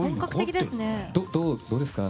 どうですか？